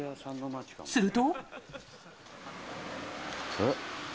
すると。